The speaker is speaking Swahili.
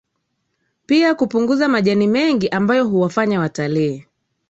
pia kupunguza majani mengi ambayo huwafanya watalii